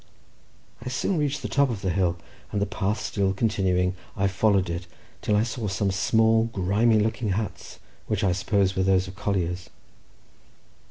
I soon reached the top of the hill, and the path still continuing, I followed it till I saw some small grimy looking huts, which I supposed were those of colliers.